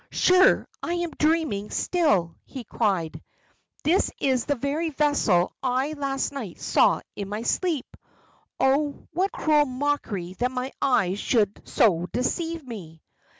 "Sure I am dreaming still!" he cried. "This is the very vessel I last night saw in my sleep! Oh! what cruel mockery that my eyes should so deceive me!"